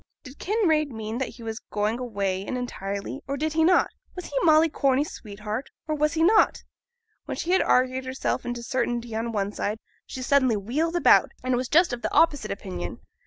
Did Kinraid mean that he was going away really and entirely, or did he not? Was he Molly Corney's sweetheart, or was he not? When she had argued herself into certainty on one side, she suddenly wheeled about, and was just of the opposite opinion.